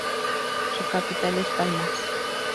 Su capital es Palmas.